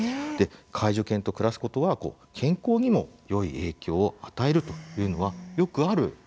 介助犬と暮らすことは健康にもよい影響を与えるというのはよくあることなんだそうです。